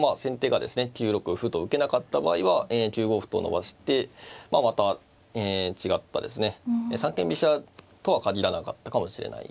９六歩と受けなかった場合は９五歩と伸ばしてまあまた違ったですね三間飛車とは限らなかったかもしれないですね。